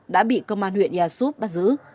đã bị công an huyện easup bắt giữ